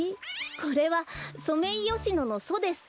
これはソメイヨシノのソです。